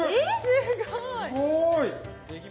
すごい！